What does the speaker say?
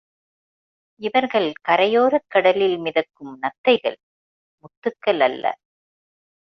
இவர்கள் கரையோரக் கடலில் மிதக்கும் நத்தைகள் முத்துக்கள் அல்ல.